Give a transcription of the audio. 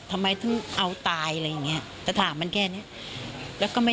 ทำไมถึงเอาตายอะไรอย่างเงี้ยแต่ถามมันแค่เนี้ยแล้วก็ไม่